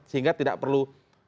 sehingga tidak perlu